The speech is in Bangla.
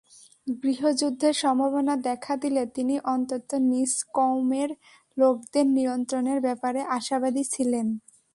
গৃহযুদ্ধের সম্ভাবনা দেখা দিলে তিনি অন্তত নিজ কওমের লোকদের নিয়ন্ত্রণের ব্যাপারে আশাবাদী ছিলেন।